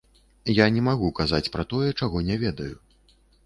Я не магу казаць пра тое, чаго не ведаю.